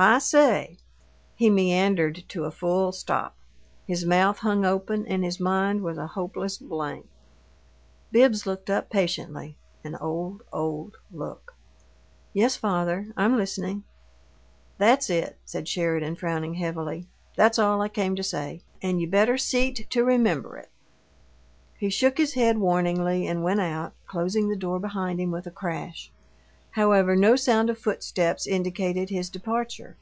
I say " He meandered to a full stop. His mouth hung open, and his mind was a hopeless blank. Bibbs looked up patiently an old, old look. "Yes, father; I'm listening." "That's all," said Sheridan, frowning heavily. "That's all I came to say, and you better see't you remember it!" He shook his head warningly, and went out, closing the door behind him with a crash. However, no sound of footsteps indicated his departure.